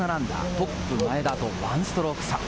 トップ前田と１ストローク差。